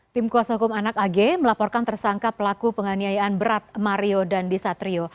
tim kuasa hukum anak ag melaporkan tersangka pelaku penganiayaan berat mario dandisatrio